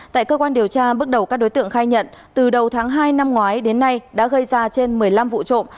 tại cơ quan điều tra bước đầu các đối tượng khai nhận từ đầu tháng hai năm ngoái đến nay đã gây ra trên một mươi năm vụ trộm